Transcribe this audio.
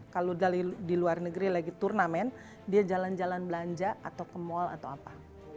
kalau di luar negeri lagi turnamen dia jalan jalan belanja atau ke mal atau apa